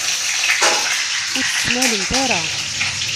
Ur tt-ttnalent ara.